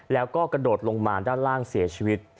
แล้วก็กระโดดลงมาด้านล่างเสียชีวิต